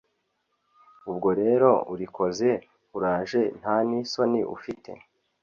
Ubwo rero urikoze uraje nta n’isoni ufite